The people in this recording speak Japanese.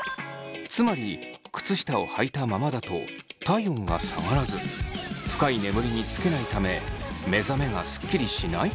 つまりくつ下をはいたままだと体温が下がらず深い眠りにつけないため目覚めがスッキリしない可能性が。